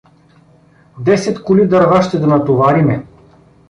Десет коли дърва ще да натовариме…